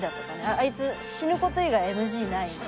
あいつ死ぬ事以外ＮＧないので。